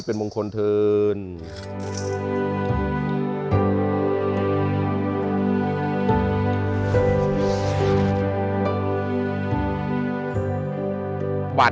จงเป็นมหามงคลประสิทธิ์ปราศาสตร์